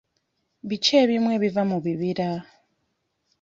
Biki ebimu ebiva mu bibira?